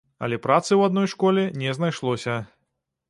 Але працы ў адной школе не знайшлося.